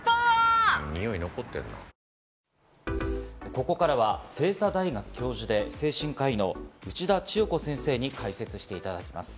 ここからは星槎大学教授で精神科医の内田千代子先生に解説していただきます。